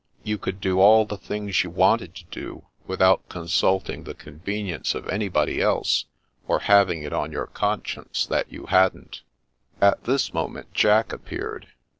You could do all the things you wanted to do, without consulting the convenience of anybody else, or having it on your conscience that you hadn't. At this moment Jack appeared.